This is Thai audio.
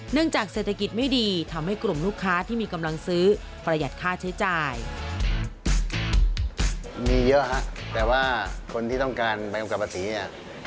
เนื่องจากเศรษฐกิจไม่ดีทำให้กลุ่มลูกค้าที่มีกำลังซื้อประหยัดค่าใช้จ่าย